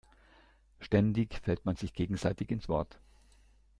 Ständig fällt man sich gegenseitig ins Wort.